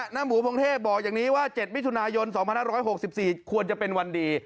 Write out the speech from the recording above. หมูพงเทพบอกอย่างนี้ว่า๗มิถุนายน๒๕๖๔ควรจะเป็นวันดี